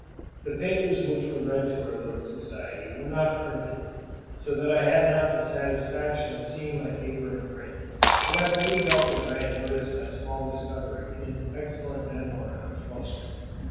The papers which were read to our little society were not printed, so that I had not the satisfaction of seeing my paper in print; but I believe Dr. Grant noticed my small discovery in his excellent memoir on Flustra.